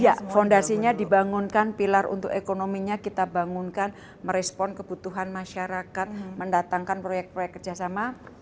iya fondasinya dibangunkan pilar untuk ekonominya kita bangunkan merespon kebutuhan masyarakat mendatangkan proyek proyek kerjasama